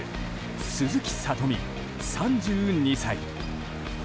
鈴木聡美、３２歳。